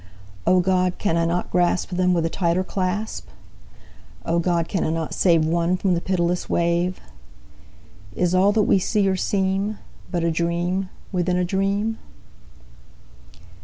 O God! can I not grasp Them with a tighter clasp? O God! can I not save One from the pitiless wave? Is all that we see or seem But a dream within a dream?